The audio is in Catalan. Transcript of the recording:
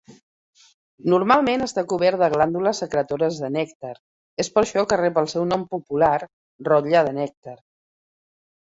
Normalment està cobert de glàndules secretores de nèctar, és per això que rep el seu nom popular, rotlle de nèctar.